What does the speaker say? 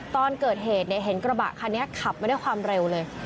ตอนเกิดเหตุเห็นกระบะคันนี้ขับมาด้วยความเร็วเลย